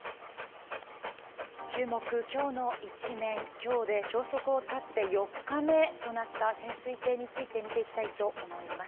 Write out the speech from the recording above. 今日で消息を絶って４日目となった潜水艇について見ていきたいと思います。